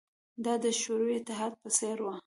دا د شوروي اتحاد په څېر وه